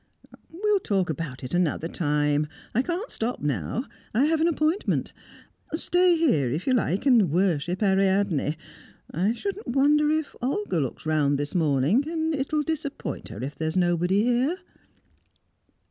"We'll talk about it another time. I can't stop now. I have an appointment. Stay here if you like, and worship Ariadne. I shouldn't wonder if Olga looks round this morning, and it'll disappoint her if there's nobody here."